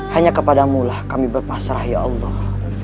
hanya kepadamulah kami berpasrah ya allah